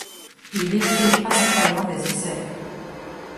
Il écrit principalement des essais.